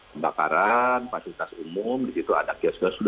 pembakaran fasilitas umum disitu ada kiosk